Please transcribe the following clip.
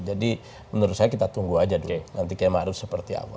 jadi menurut saya kita tunggu aja dulu nanti kiai maruf seperti apa